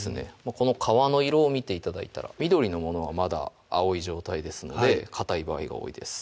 この皮の色を見て頂いたら緑のものはまだ青い状態ですのでかたい場合が多いです